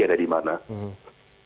tidak persis titik titik api ada di mana